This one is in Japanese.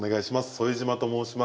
副島と申します。